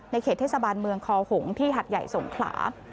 เขตเทศบาลเมืองคอหงที่หัดใหญ่สงขลา